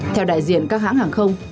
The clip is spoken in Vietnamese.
theo đại diện các hãng hàng không